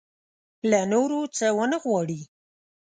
له نورو څه ونه وغواړي.